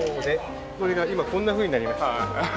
これが今こんなふうになりました。